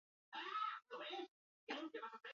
Datorren asteartea arte festak ez du etenik egingo.